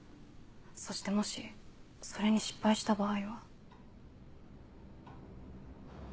そしてもしそれに失敗した場合は。